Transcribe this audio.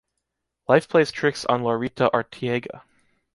Life plays tricks on Laurita Arteaga.